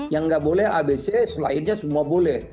yang nggak boleh abc lainnya semua boleh